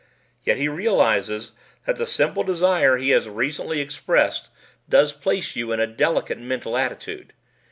Yet he realizes that the simple desire he has recently expressed does place you in a delicate mental attitude.